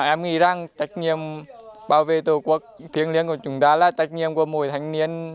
em nghĩ rằng tác nhiệm bảo vệ tổ quốc tiếng liếng của chúng ta là tác nhiệm của mỗi thanh niên